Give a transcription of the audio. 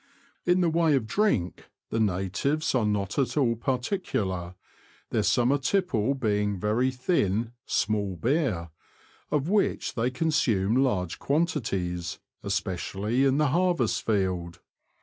In the way of drink, the natives are not at all particular, their summer tipple being very thin, ^' small beer," of which they consume large quantities, especially in the harvest field.